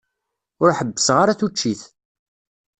Ur ḥebbseɣ ara tuččit.